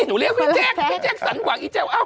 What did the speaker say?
หนูเรียกแจคสันหวัง